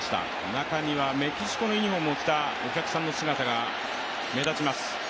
中にはメキシコのユニフォームを着たお客さんの姿が目立ちます。